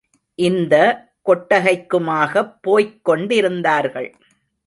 இந்த கொட்டகைக்குமாகப் போய்க் கொண்டிருந்தார்கள்.